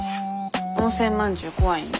温泉まんじゅう怖いんで。